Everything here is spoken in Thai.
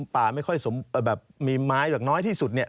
ป่าไม่ค่อยสมแบบมีไม้แบบน้อยที่สุดเนี่ย